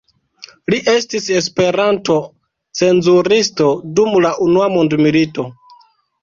Li estis Esperanto-cenzuristo dum la unua mondmilito.